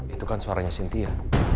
itu kan suaranya cynthia